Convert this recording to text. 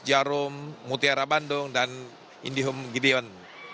jaro mutiara bandung dan indihom gideon